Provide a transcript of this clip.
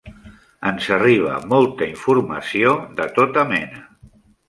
Ens arriba molta informació de tota mena.